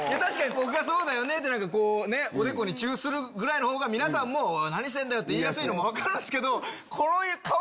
僕がそうだよね！っておでこにチュするぐらいが皆さんも何してんだよ！って言いやすいのも分かるんすけど。